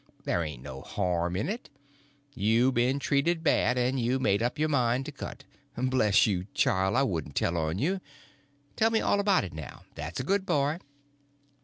There ain't no harm in it. You've been treated bad, and you made up your mind to cut. Bless you, child, I wouldn't tell on you. Tell me all about it now, that's a good boy."